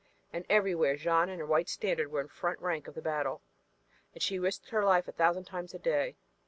And everywhere Jeanne and her white standard were in the front rank of the battle, and she risked her life a thousand times each day.